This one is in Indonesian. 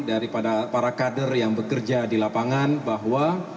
daripada para kader yang bekerja di lapangan bahwa